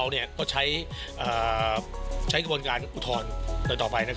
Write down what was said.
แล้วก็กำหนดทิศทางของวงการฟุตบอลในอนาคต